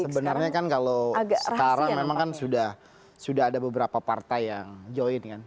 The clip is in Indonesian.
sebenarnya kan kalau sekarang memang kan sudah ada beberapa partai yang join kan